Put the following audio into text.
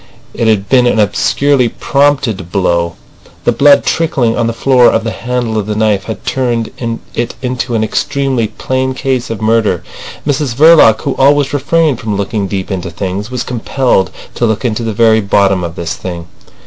It had been an obscurely prompted blow. The blood trickling on the floor off the handle of the knife had turned it into an extremely plain case of murder. Mrs Verloc, who always refrained from looking deep into things, was compelled to look into the very bottom of this thing.